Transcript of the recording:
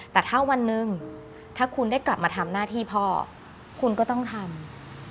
แต่ถ้าวันหนึ่งถ้าคุณได้กลับมาทำหน้าที่พ่อคุณก็ต้องทำ